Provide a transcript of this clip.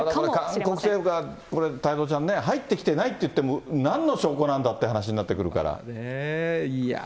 ただ、韓国政府が、これ太蔵ちゃんね、入ってきていないといっても、なんの証拠なんだって話になってくいやー。